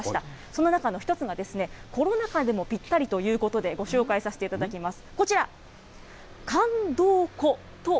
その中の一つが、コロナ禍でもぴったりということで、ご紹介させていただきます。